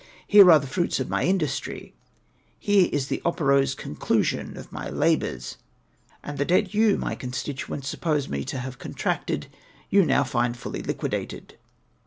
Here are the fruits of my industry ; here is the operose conclusion of my labours, and the debt you, my constituents, suppose me to have contracted, you now find fully liquidated.'